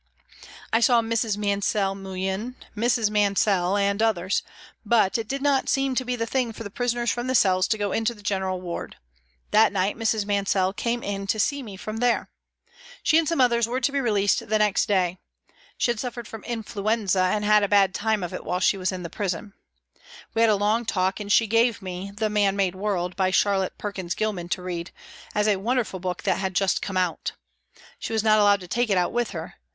I saw Mrs. Mansell Moullin, Mrs. Mansel and others, but it did not seem to be the thing for the prisoners from the cells to go into the general ward. That night Mrs. Mansel came in to see me from there. She and some others were to be released the next day. She had suffered from influenza and had a bad time of it while she was in prison. We had a long talk, and she gave me The Man made World, by Charlotte Perkins Oilman, to read, as a wonderful book that had just come out. She was not allowed to take it out with her.